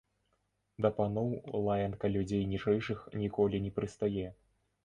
Да паноў лаянка людзей ніжэйшых ніколі не прыстае.